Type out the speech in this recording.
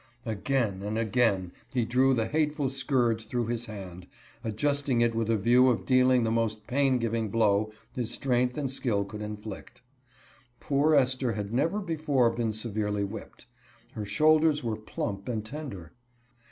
Again and again he drew the hateful scourge through his hand, adjusting it with a view of dealing, the most pain giving blow his strength and skill could inflict. Poor Esther had never before been severely whipped. Her shoulders were plump and tender.